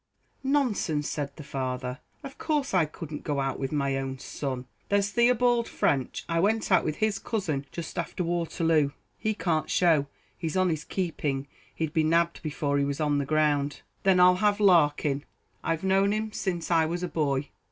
"Nonsense," said the father; "of course I couldn't go out with my own son; there's Theobald French; I went out with his cousin just after Waterloo." "He can't show he's on his keeping. He'd be nabbed before he was on the ground." "Then I'll have Larkin; I've known him since I was a boy."